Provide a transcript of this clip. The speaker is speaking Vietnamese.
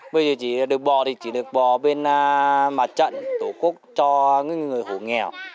bây giờ chỉ được bò thì chỉ được bò bên mặt trận tổ quốc cho những người hổ nghèo